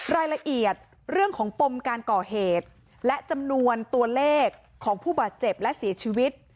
รายละเอียดเรื่องของปมการก่อเหตุและจำนวนตัวเลขของผู้บาดเจ็บและเสียชีวิต